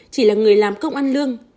chỉ là người làm công ăn lương